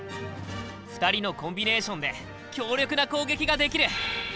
２人のコンビネーションで強力な攻撃ができる！